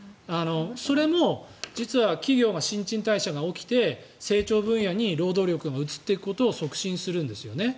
それも実は、企業が新陳代謝が起きて成長分野に労働力が移っていくことを促進するんですよね。